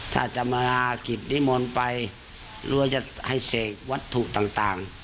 ถ้าจะมากิจนิมนต์ไปหรือว่าจะให้เสกวัตถุต่าง